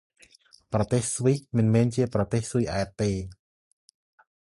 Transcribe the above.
ប្រទេសស្វ៊ីស មិនមែនប្រទេសស៊ុយអែតទេ ។